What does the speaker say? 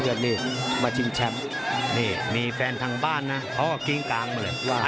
พี่น้องอ่ะพี่น้องอ่ะพี่น้องอ่ะพี่น้องอ่ะ